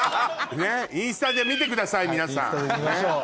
ねっインスタで見てください皆さん。